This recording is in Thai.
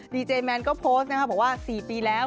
ดีเจแมนก็โพสต์นะครับบอกว่า๔ปีแล้ว